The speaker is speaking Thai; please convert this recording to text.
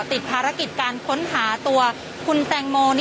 สดกัน